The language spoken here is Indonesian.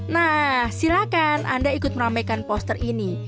nah silakan anda ikut meramaikan poster ini